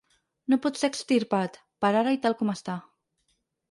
No pot ser extirpat, per ara i tal com està.